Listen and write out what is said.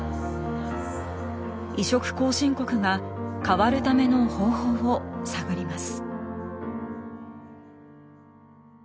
移植後進国が変わるための方法を探ります。